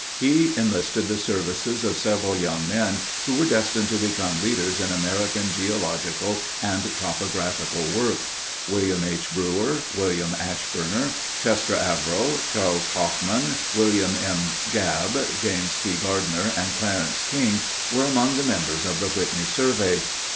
He enlisted the services of several young men who were destined to become leaders in American geological and topographical work. William H. Brewer, William Ashburner, Chester Averill, Charles F. Hoffmann, William M. Gabb, James T. Gardiner, and Clarence King were among the members of the Whitney Survey.